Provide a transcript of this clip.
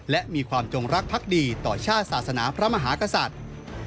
และมีความจงรักพักดีต่อชาติศาสนาพระมหากษัตริย์